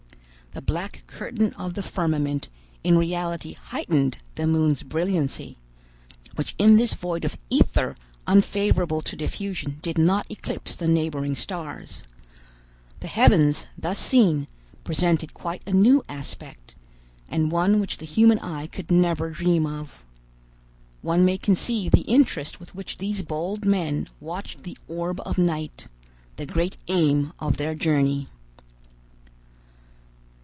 The black curtain of the firmament in reality heightened the moon's brilliancy, which in this void of ether unfavorable to diffusion did not eclipse the neighboring stars. The heavens, thus seen, presented quite a new aspect, and one which the human eye could never dream of. One may conceive the interest with which these bold men watched the orb of night, the great aim of their journey.